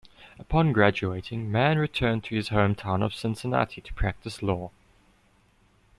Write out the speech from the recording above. Upon graduating, Mann returned to his home town of Cincinnati to practice law.